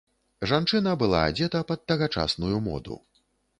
Жанчына была адзета пад тагачасную моду.